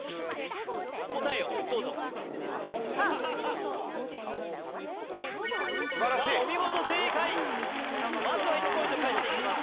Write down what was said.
答えをどうぞ素晴らしいさあお見事正解まずは１ポイント返していきます